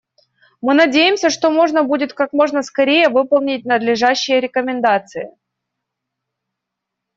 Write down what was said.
Мы надеемся, что можно будет как можно скорее выполнить надлежащие рекомендации.